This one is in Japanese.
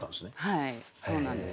はいそうなんです。